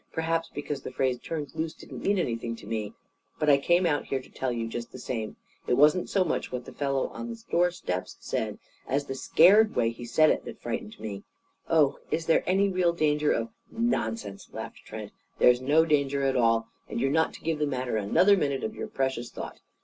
Perhaps because the phrase 'turned loose' didn't mean anything to me. But I came out here to tell you, just the same. It wasn't so much what the fellow on the store steps said, as the scared way he said it, that frightened me. Oh, is there any real danger of " "Nonsense!" laughed Trent. "There's no danger at all. And you're not to give the matter another minute of your precious thought.